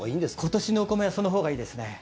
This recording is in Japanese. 今年のお米はそのほうがいいですね。